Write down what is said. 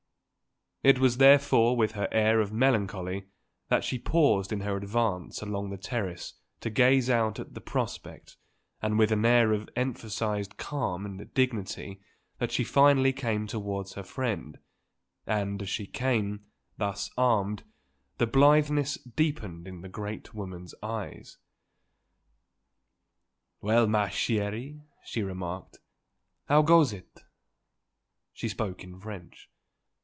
It was therefore with her air of melancholy that she paused in her advance along the terrace to gaze out at the prospect, and with an air of emphasized calm and dignity that she finally came towards her friend; and, as she came, thus armed, the blitheness deepened in the great woman's eyes. "Well, ma chèrie," she remarked, "How goes it?" She spoke in French.